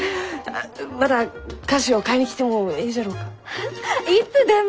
また菓子を買いに来てもえいじゃろうか？